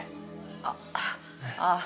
あっああ。